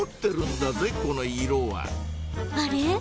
あれ？